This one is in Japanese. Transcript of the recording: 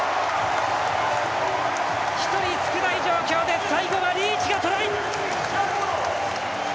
１人少ない状況で最後はリーチがトライ！